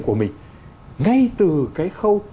của mình ngay từ cái khâu